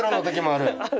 ある。